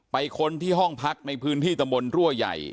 ค้นที่ห้องพักในพื้นที่ตำบลรั่วใหญ่